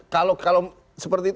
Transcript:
kalau seperti itu